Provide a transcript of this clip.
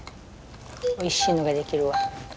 おいしいのが出来るわ。